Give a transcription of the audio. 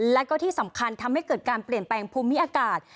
และก็ที่สำคัญทำให้เกิดการเปลี่ยนแปลงภูมิอากาศ